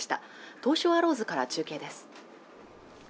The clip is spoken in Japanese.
東証アローズから中継です